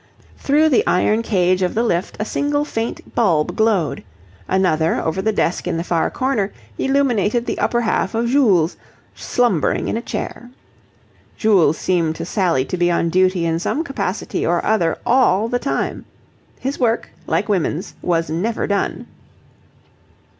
Through the iron cage of the lift a single faint bulb glowed: another, over the desk in the far corner, illuminated the upper half of Jules, slumbering in a chair. Jules seemed to Sally to be on duty in some capacity or other all the time. His work, like women's, was never done.